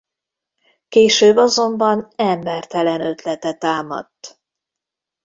Később azonban embertelen ötlete támadt.